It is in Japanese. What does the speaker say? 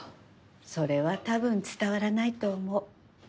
それはたぶん伝わらないと思う。